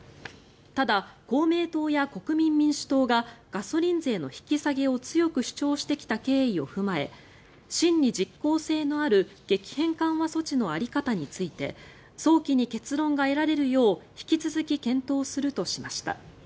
ただ、公明党や国民民主党がガソリン税の引き下げを強く主張してきた経緯を踏まえ真に実効性のある激変緩和措置の在り方について早期に結論が得られるよう引き続き検討するとしました。